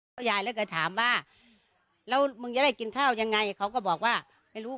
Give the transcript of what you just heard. เกิดถามว่าแล้วมึงจะได้กินข้าวยังไงเขาก็บอกว่าไม่รู้